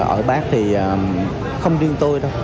ở bác thì không riêng tôi đâu